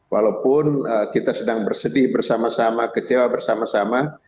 walaupun kita sedang bersedih bersama sama kecewa bersama sama